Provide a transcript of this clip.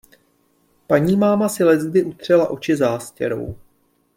Panímáma si leckdy utřela oči zástěrou.